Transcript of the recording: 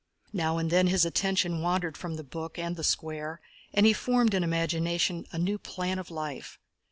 Now and then his attention wandered from the book and the Square and he formed in imagination a new plan of life.